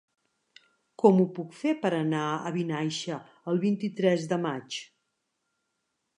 Com ho puc fer per anar a Vinaixa el vint-i-tres de maig?